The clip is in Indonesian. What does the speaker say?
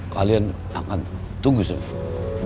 kalian akan tunggu sebentar